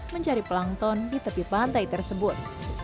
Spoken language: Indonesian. mencari pelangton di tepi pantai tersebut